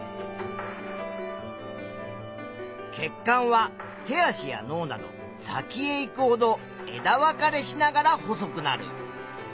血管は手足や脳など先へ行くほど枝分かれしながら細くなる。